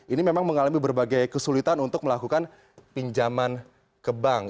ini memang mengalami berbagai kesulitan untuk melakukan pinjaman ke bank